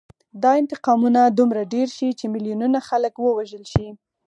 دا انتقامونه دومره ډېر شي چې میلیونونه خلک ووژل شي